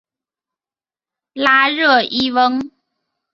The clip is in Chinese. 拉热伊翁。